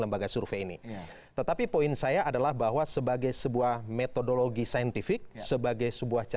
lembaga survei ini tetapi poin saya adalah bahwa sebagai sebuah metodologi saintifik sebagai sebuah